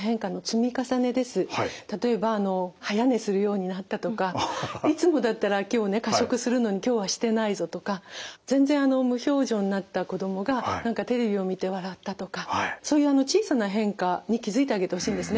例えば早寝するようになったとかいつもだったら今日過食するのに今日はしてないぞとか全然無表情になった子供が何かテレビを見て笑ったとかそういう小さな変化に気付いてあげてほしいんですね。